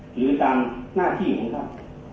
หรือตามหน้าที่ของคุณครับ